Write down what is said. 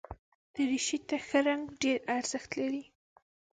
دریشي ته ښه رنګ ډېر ارزښت لري.